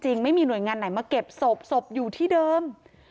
ไม่มีหน่วยงานไหนมาเก็บศพศพอยู่ที่เดิม